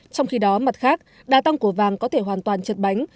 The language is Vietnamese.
trong khi đó mặt khác đa tăng của vàng có thể hoàn toàn chật bánh